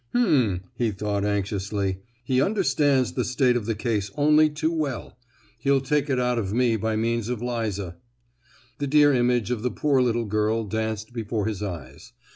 "Hm!" he thought, anxiously, "he understands the state of the case only too well; he'll take it out of me by means of Liza!" The dear image of the poor little girl danced before his eyes.